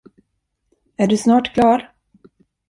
Är du snart klar?